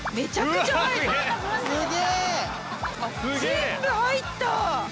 全部入った！